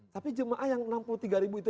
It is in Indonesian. tapi jemaah yang enam puluh tiga ribu itu